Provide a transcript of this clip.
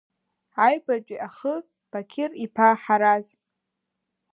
Аҩбатәи ахы Бақьыр-иԥа Ҳараз…